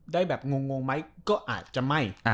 ได้แบบงงไหมก็อาจจะไม่